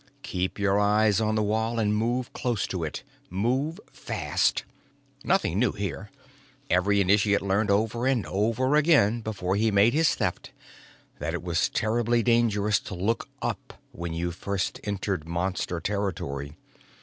Keep your eyes on the wall and move close to it. Move fast." Nothing new here. Every initiate learned over and over again, before he made his Theft, that it was terribly dangerous to look up when you first entered Monster territory.